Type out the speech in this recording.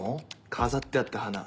飾ってあった花